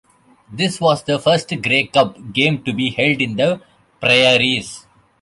This was the first Grey Cup game to be held in the prairies.